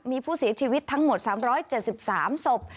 มีผู้เสียชีวิตทั้งหมด๓๗๓ศพ